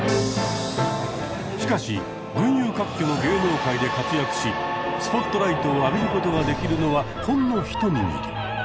しかし群雄割拠の芸能界で活躍しスポットライトを浴びることができるのはほんの一握り。